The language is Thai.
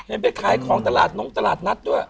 จะไม่ไปขายของตลาดนุ้งตลาดนัดด้วย